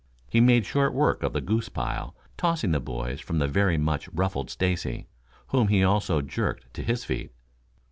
He made short work of the "goose pile," tossing the boys from the very much ruffled Stacy, whom he also jerked to his feet.